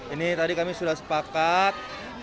ini tadi kami sudah sepakat